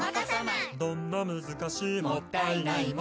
「どんな難しいもったいないも」